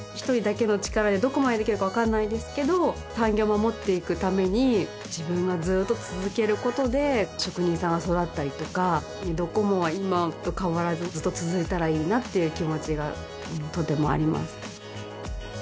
１人だけの力でどこまでできるか分かんないんですけど産業を守っていくために自分がずっと続けることで職人さんが育ったりとか江戸小紋は今と変わらずずっと続いたらいいなっていう気持ちがとてもあります